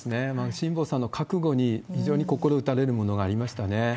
辛坊さんの覚悟に非常に心打たれるものがありましたね。